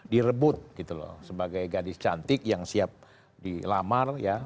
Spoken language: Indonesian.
direbut gitu loh sebagai gadis cantik yang siap dilamar ya